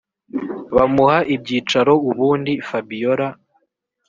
bamuha ibyicaro ubundi fabiora